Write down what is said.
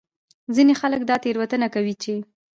ځینې خلک دا تېروتنه کوي چې